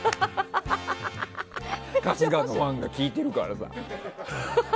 春日のファンが聞いているからさ。